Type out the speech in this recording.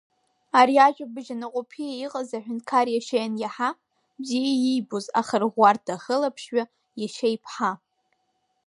Ари ажәабжь Анаҟәаԥиа иҟаз аҳәынҭқар иашьа ианиаҳа, бзиа иибоз ахырӷәӷәарҭа ахылаԥшҩы иашьа иԥҳа…